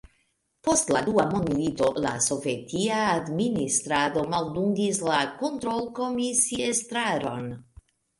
Post la Dua mondmilito la sovetia administrado maldungis la kontrolkomisiestraron.